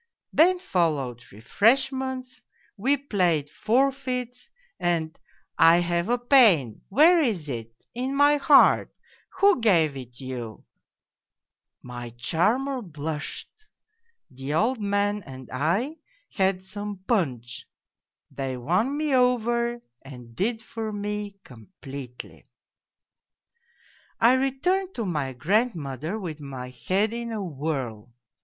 Then followed refreshments, we played forfeits, and ' I have a pain '' Where is it ?'' In my heart '' Who gave it you ?' My charmer blushed. The old man and I had some punch they won me over and did for me completely. " I returned to my grandmother with my head in a whirl.